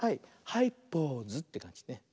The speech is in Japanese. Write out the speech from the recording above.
「はいポーズ」ってかんじね。